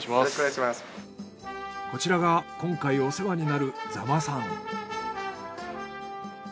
こちらが今回お世話になる座間さん。